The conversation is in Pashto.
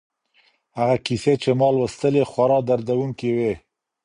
هغه کیسې چي ما لوستلې خورا دردونکي وې.